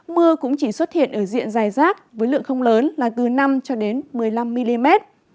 mưa cũng chỉ xuất hiện ở diện dài rác với lượng không lớn là từ năm cho đến một mươi năm mm